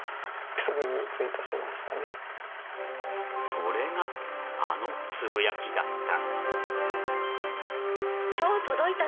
それが、あのつぶやきだった。